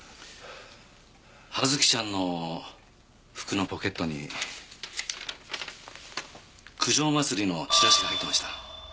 葉月ちゃんの服のポケットに九条まつりのチラシが入ってました。